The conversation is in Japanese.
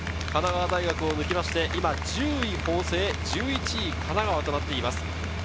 神奈川大学を抜きまして、今１０位・法政、１１位・神奈川となっています。